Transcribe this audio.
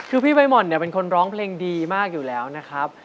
คือพี่ใบห่อนเนี่ยเป็นคนร้องเพลงดีมากอยู่แล้วนะครับ